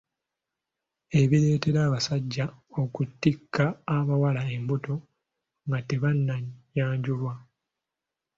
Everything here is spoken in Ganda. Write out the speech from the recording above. Ebireeta abasajja okutikka abawala embuto nga tebannayanjulwa